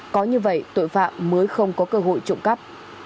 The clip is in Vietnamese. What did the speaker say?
có như vậy tội phạm mới không có cơ hội trộm cắp